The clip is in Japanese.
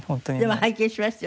拝見しましたよ。